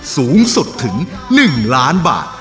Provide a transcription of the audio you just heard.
สูงสุดถึง๑ล้านบาท